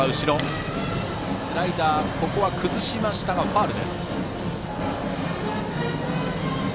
スライダーで崩しましたがファウル。